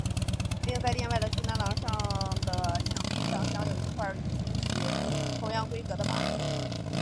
另在殿外的西南廊下的墙壁上镶有一块与经石同样规格的跋。